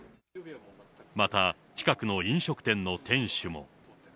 また、近くの飲食店の店主も。